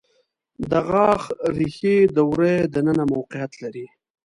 د غاښ ریښې د وریو د ننه موقعیت لري.